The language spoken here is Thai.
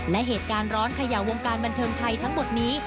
และเหตุการณ์ร้อนเขย่าวงการบันเทิงไทยทั้งหมดนี้